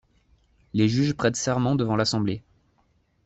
Les juges prêtent serment devant l'Assemblée.